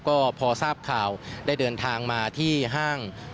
ก็พอทราบข่าวได้เดินทางมาที่ห้าง